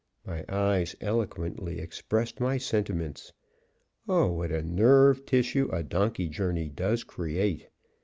My eyes eloquently expressed my sentiments. Oh, what a nerve tissue a donkey journey does create!